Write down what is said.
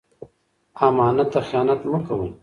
امانت ته خیانت مه کوئ.